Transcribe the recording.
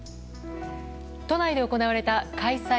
都内で行われた開催